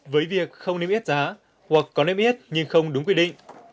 với việc không niêm yết giá hoặc có niêm yết nhưng không đúng quy định